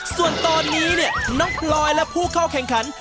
ส่วนตอนนี้เนี่ยน้องพลอยและผู้เข้าแข่งขัน